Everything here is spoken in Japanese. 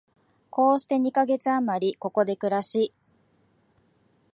こうして二カ月あまり、ここで暮らし、